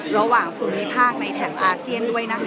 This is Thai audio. ระหว่างภูมิภาคในแถบอาเซียนด้วยนะคะ